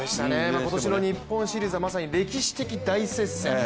今年の日本シリーズはまさに歴史的大接戦。